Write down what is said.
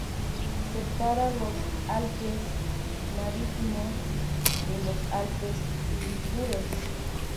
Separa los Alpes Marítimos de los Alpes Ligures.